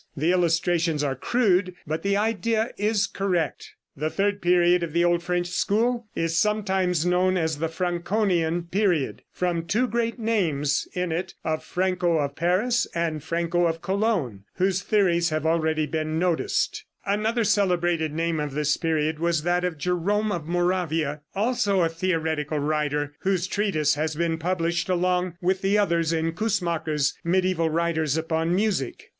The illustrations are crude, but the idea is correct. The third period of the old French school is sometimes known as the Franconian period, from the two great names in it of Franco of Paris and Franco of Cologne, whose theories have already been noticed. (See page 146.) Another celebrated name of this period was that of Jerome of Moravia, also a theoretical writer, whose treatise has been published along with the others in Coussemaker's "Mediæval Writers upon Music."